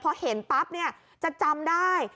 พอเห็นปั๊บเนี่ยจะจำได้